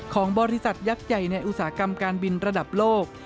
ของบริษัทยักษ์ใหญ่ในอุตสาหกรรมการบินระดับโลก